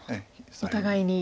お互いに。